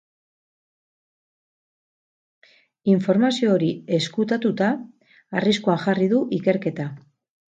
Informazio hori ezkutatuta arriskuan jarri du ikerketa.